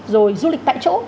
rồi du lịch tại chỗ